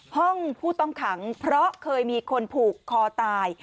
ห้องผู้ต้องขังเพราะเคยมีคนผูกคอตาย